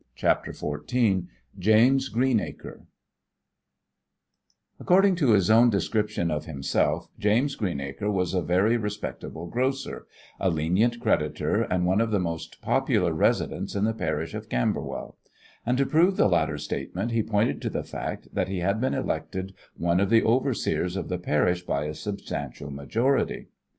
CHAPTER XIV JAMES GREENACRE According to his own description of himself, James Greenacre was a very respectable grocer, a lenient creditor, and one of the most popular residents in the parish of Camberwell; and to prove the latter statement he pointed to the fact that he had been elected one of the overseers of the parish by a substantial majority.